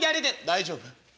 「大丈夫？